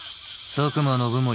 佐久間信盛